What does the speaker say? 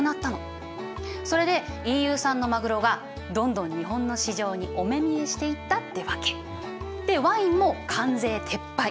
それでＥＵ産のマグロがどんどん日本の市場にお目見えしていったってわけ。でワインも関税撤廃。